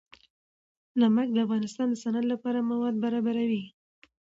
نمک د افغانستان د صنعت لپاره مواد برابروي.